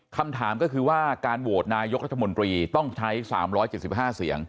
คำถามก็คือว่าการโหวตนายกรัฐมนตรีต้องใช้สามร้อยเจ็ดสิบห้าเสียง